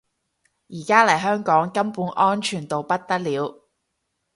而家嚟香港根本安全到不得了